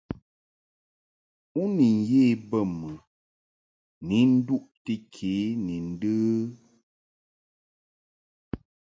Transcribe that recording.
U ni ye bə mɨ ni nduʼti ke ni ndə ?